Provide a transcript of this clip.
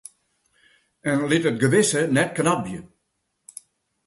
En lit it gewisse net knabje?